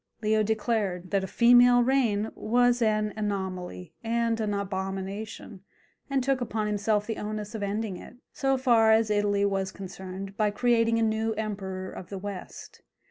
Leo declared that a female reign was an anomaly and an abomination, and took upon himself the onus of ending it, so far as Italy was concerned, by creating a new emperor of the West.